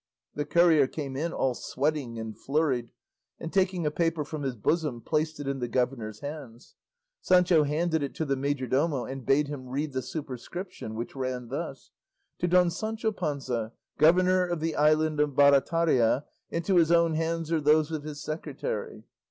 The courier came in all sweating and flurried, and taking a paper from his bosom, placed it in the governor's hands. Sancho handed it to the majordomo and bade him read the superscription, which ran thus: To Don Sancho Panza, Governor of the Island of Barataria, into his own hands or those of his secretary.